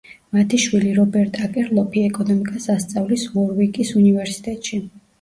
მათი შვილი, რობერტ აკერლოფი ეკონომიკას ასწავლის უორვიკის უნივერსიტეტში.